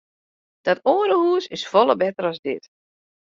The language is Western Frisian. Dat oare hús is folle better as dit.